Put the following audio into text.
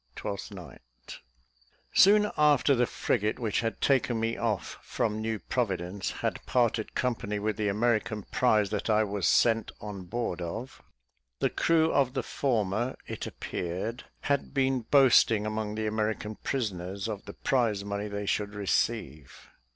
Twelfth Night. Soon after the frigate which had taken me off from New Providence had parted company with the American prize that I was sent on board of, the crew of the former, it appeared, had been boasting among the American prisoners of the prize money they should receive.